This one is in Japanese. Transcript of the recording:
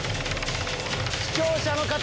視聴者の方！